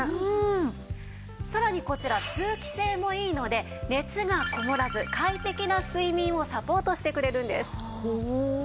さらにこちら通気性もいいので熱がこもらず快適な睡眠をサポートしてくれるんです。